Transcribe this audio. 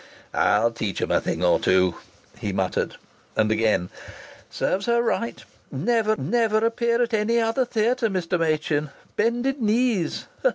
"I'll teach 'em a thing or two," he muttered. And again: "Serves her right.... 'Never, never appear at any other theatre, Mr. Machin!' ... 'Bended knees!'